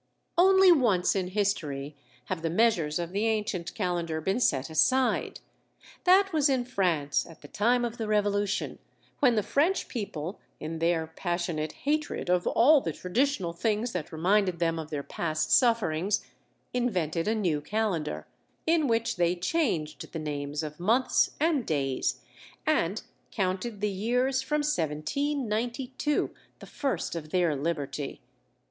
Only once in history have the measures of the ancient calendar been set aside. That was in France at the time of the Revolution, when the French people, in their passionate hatred of all the traditional things that reminded them of their past sufferings, invented a new calendar, in which they changed the names of months and days, and counted the years from 1792, the first of their liberty.